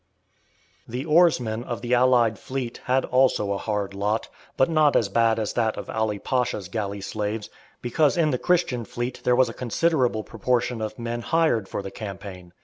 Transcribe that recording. The oarsmen of the allied fleet had also a hard lot, but not as bad as that of Ali Pasha's galley slaves, because in the Christian fleet there was a considerable proportion of men hired for the campaign.